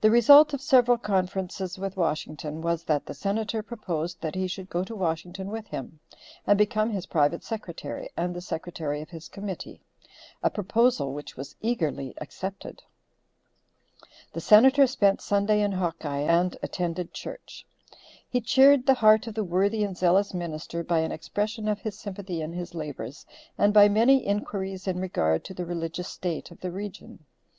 The result of several conferences with Washington was that the Senator proposed that he should go to Washington with him and become his private secretary and the secretary of his committee; a proposal which was eagerly accepted. The Senator spent Sunday in Hawkeye and attended church. He cheered the heart of the worthy and zealous minister by an expression of his sympathy in his labors, and by many inquiries in regard to the religious state of the region.